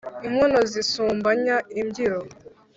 Inkono zisumbanya imbyiro.